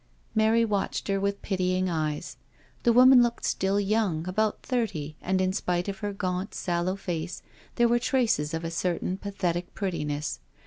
Mary watched her with pitying eyes. The woman looked still young, about thirty, and in spite of her gaunt, sallow face there were traces of a certain pathetic pretti ness.